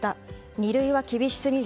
二類は厳しすぎる。